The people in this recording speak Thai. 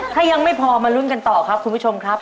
ถ้ายังไม่พอมาลุ้นกันต่อครับคุณผู้ชมครับ